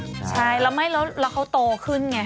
ใช่แล้วเขาโตขึ้นไง